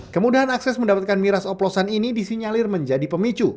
kemudahan akses mendapatkan miras oplosan ini disinyalir menjadi pemicu